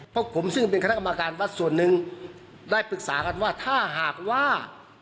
พวกผมซึ่งเป็นคณะกรรมการวัดส่วนหนึ่งได้ปรึกษากันว่าถ้าหากว่า